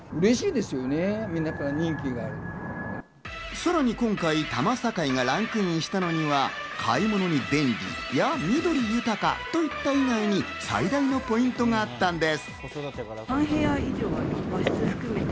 さらに今回、多摩境がランクインしたのには買い物に便利や緑豊かといった以外に最大のポイントがあったんです。